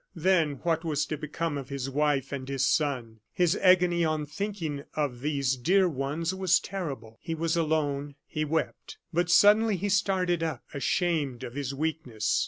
Then what was to become of his wife and his son? His agony on thinking of these dear ones was terrible. He was alone; he wept. But suddenly he started up, ashamed of his weakness.